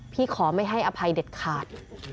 ขอไม่ให้อภัยเด็ดขาด